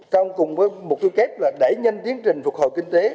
trong cùng với mục tiêu kép là đẩy nhanh tiến trình phục hồi kinh tế